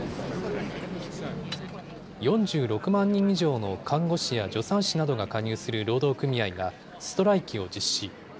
４６万人以上の看護師や助産師などが加入する労働組合がストライキを実施。